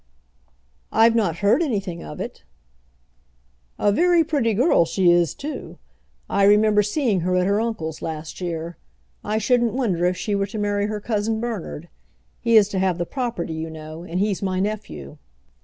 "I've not heard anything of it." "A very pretty girl she is, too. I remember seeing her at her uncle's last year. I shouldn't wonder if she were to marry her cousin Bernard. He is to have the property, you know; and he's my nephew."